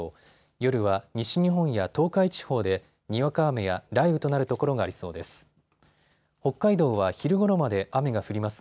夜は西日本や東海地方でにわか雨や雷雨となる所がありそうです。